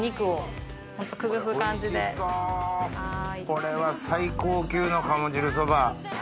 これは最高級の鴨汁そば。